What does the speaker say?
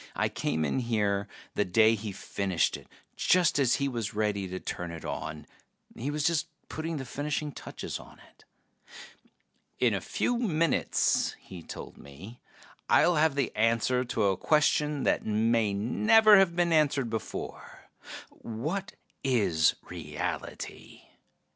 I came in here the day he finished it, just as he was ready to turn it on. He was just putting the finishing touches on it. "In a few minutes," he told me, "I'll have the answer to a question that may never have been answered before: what is reality?